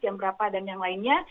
jam berapa dan yang lainnya